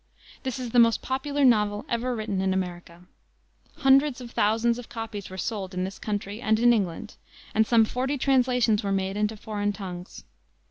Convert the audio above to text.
This is the most popular novel ever written in America. Hundreds of thousands of copies were sold in this country and in England, and some forty translations were made into foreign tongues.